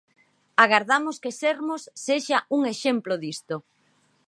Agardamos que Sermos sexa un exemplo disto.